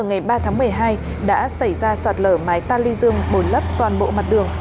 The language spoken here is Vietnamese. ngày ba tháng một mươi hai đã xảy ra sạt lở mái ta lưu dương bồi lấp toàn bộ mặt đường